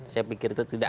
saya pikir itu tidak